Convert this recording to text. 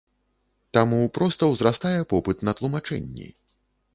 Таму проста ўзрастае попыт на тлумачэнні.